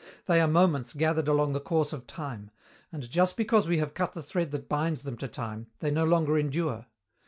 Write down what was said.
They are moments gathered along the course of time; and, just because we have cut the thread that binds them to time, they no longer endure.